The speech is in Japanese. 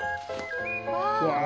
うわ。